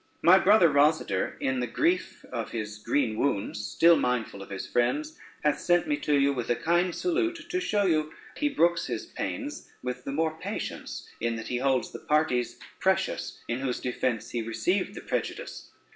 My brother Rosader, in the grief of his green wounds still mindful of his friends, hath sent me to you with a kind salute, to show that he brooks his pains with the more patience, in that he holds the parties precious in whose defence he received the prejudice.